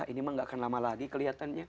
ini mah gak akan lama lagi kelihatannya